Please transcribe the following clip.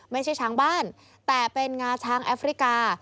ไม่ใช่ช้างบ้านแต่เป็นงาช้างแอฟริกา